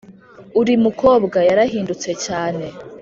uri mukobwa yarahindutse cyane